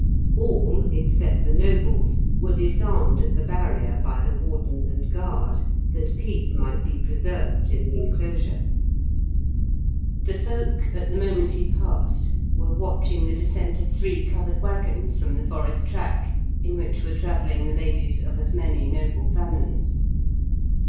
All (except the nobles) were disarmed at the barrier by the warden and guard, that peace might be preserved in the enclosure. The folk at the moment he passed were watching the descent of three covered waggons from the forest track, in which were travelling the ladies of as many noble families.